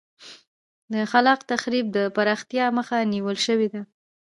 د خلاق تخریب د پراختیا مخه نیول شوې ده.